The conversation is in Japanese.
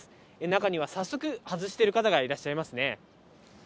中には早速、外している方がいらっしゃいますね。